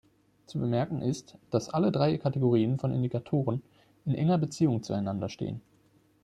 Zu bemerken ist, dass alle drei Kategorien von Indikatoren in enger Beziehung zueinander stehen.